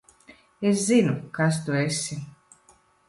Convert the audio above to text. Es zinu, kas tu esi.